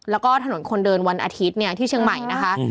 แล้วก็ถนนคนเดินวันอาทิตย์เนี่ยที่เชียงใหม่นะคะ